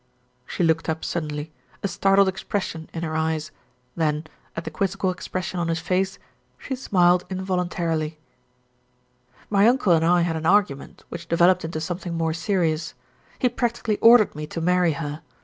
She looked up suddenly, a startled expression in her eyes, then, at the quizzical expression on his face, she smiled involuntarily. ERIC PRONOUNCES IT SPIF 343 "My uncle and I had an argument, which developed into something more serious. He practically ordered me to marry her.